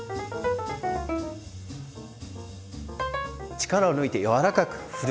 力を抜いて柔らかく振る。